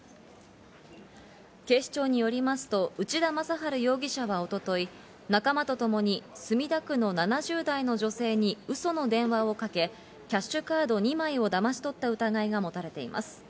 警視庁によりますと内田雅晴容疑者は一昨日、仲間とともに墨田区の７０代の女性にウソの電話をかけ、キャッシュカード２枚をだまし取った疑いが持たれています。